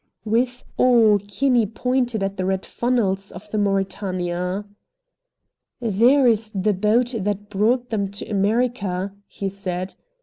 '" With awe Kinney pointed at the red funnels of the Mauretania. "There is the boat that brought them to America," he said.